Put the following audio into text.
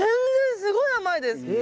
すごい甘いです。え。